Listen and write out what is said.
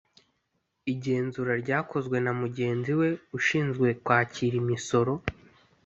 Igenzura ryakozwe na mugenzi we ushinzwe kwakira imisoro